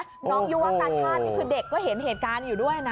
น้องยุวกาชาตินี่คือเด็กก็เห็นเหตุการณ์อยู่ด้วยนะ